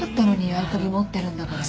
合鍵持ってるんだから。